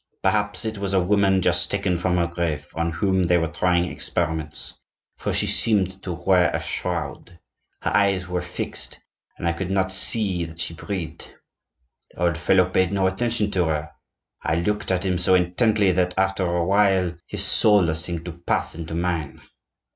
Perhaps it was a woman just taken from her grave, on whom they were trying experiments, for she seemed to wear a shroud; her eyes were fixed, and I could not see that she breathed. The old fellow paid no attention to her. I looked at him so intently that, after a while, his soul seemed to pass into mine.